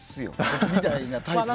僕みたいな。